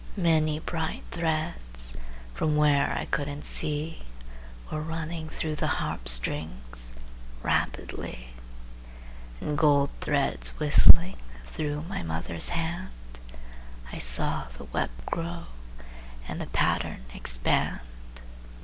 Many bright threads, From where I couldn't see, Were running through the harp strings Rapidly, And gold threads whistling Through my mother's hand. I saw the web grow, And the pattern expand.